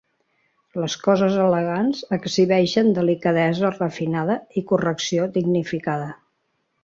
Les coses elegants exhibeixen delicadesa refinada i correcció dignificada.